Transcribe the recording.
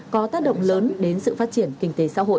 có tác động lớn đến sự phát triển kinh tế xã hội